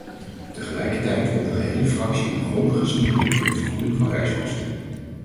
Tegelijkertijd wil de gehele fractie een grondige sanering van de vergoeding van reiskosten.